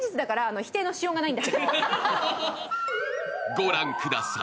ご覧ください。